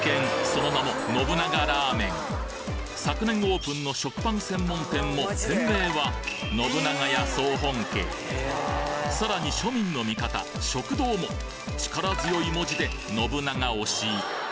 その名も昨年オープンの食パン専門店も店名はさらに庶民の味方食堂も力強い文字で信長推し